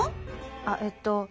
あっえっと。